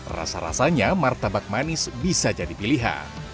rasa rasanya martabak manis bisa jadi pilihan